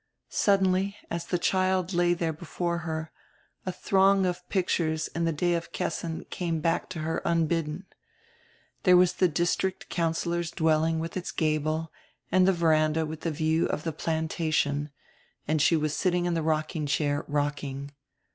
Suddenly, as the child lay there before her, a throng of pictures of the days in Kessin came back to her unbidden. There was the district councillor's dwelling with its gable, and the veranda with the view of the "Plantation," and she was sitting in the rocking chair, rocking.